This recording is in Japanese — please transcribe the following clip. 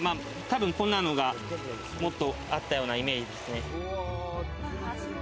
多分、こんなのがもっとあったようなイメージですね。